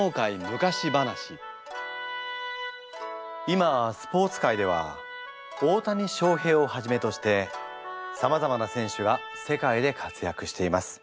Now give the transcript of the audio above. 今スポーツ界では大谷翔平をはじめとしてさまざまな選手が世界で活躍しています。